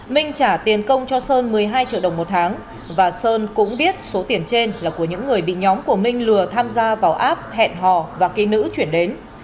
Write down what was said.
minh trả tiền công cho sơn một mươi hai triệu đồng một tháng và sơn cũng biết số tiền trên là của những người bị nhóm của minh lừa tham gia vào app hẹn hò và ký nữ chuyển đến